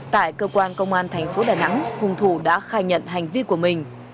tại cơ quan công an thành phố đà nẵng hùng thủ đã khai nhận hành vi của mình